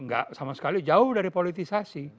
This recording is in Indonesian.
nggak sama sekali jauh dari politisasi